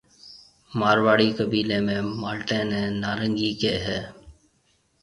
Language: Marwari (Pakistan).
مارواڙِي قيبيلي ۾ مالٽي نَي نارنگِي ڪهيَ هيَ۔